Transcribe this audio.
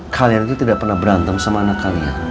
kalian itu tidak pernah berantem sama anak kalian